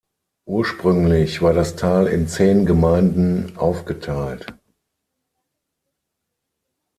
Ursprünglich war das Tal in zehn Gemeinden aufgeteilt.